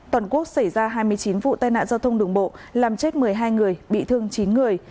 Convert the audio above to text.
toàn quốc xảy ra hai mươi chín vụ tai nạn giao thông đường bộ làm chết một mươi hai người bị thương chín người